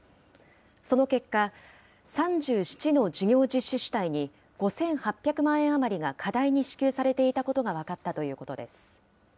その結果、３７の事業実施主体に５８００万円余りが過大に支給されていたことが分かったということです。